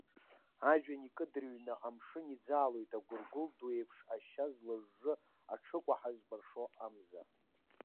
Ажәҩан икыдыҩрны амшын иӡаалоит агәыргәыл ду еиԥш ашьа злажжы аҽыкәаҳа зкәыршоу амза.